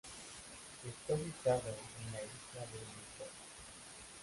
Está ubicado en la isla de Lesbos.